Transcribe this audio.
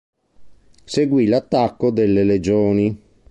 Seguì l'attacco delle legioni.